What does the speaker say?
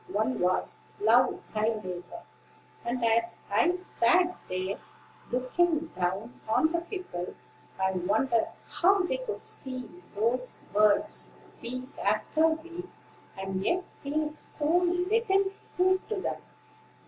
One was, 'Love thy neighbor;' and as I sat there, looking down on the people, I wondered how they could see those words week after week, and yet pay so little heed to them.